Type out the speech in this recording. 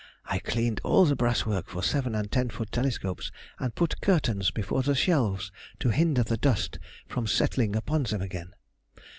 I cleaned all the brass work for seven and ten foot telescopes, and put curtains before the shelves to hinder the dust from settling upon them again.